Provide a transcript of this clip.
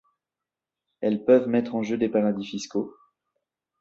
Elles peuvent mettre en jeu des paradis fiscaux.